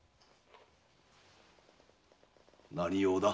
何用だ？